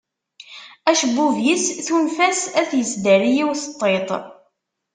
Acebbub-is tunef-as ad as-yesdari yiwet n tiṭ.